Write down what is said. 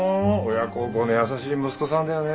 親孝行の優しい息子さんだよね。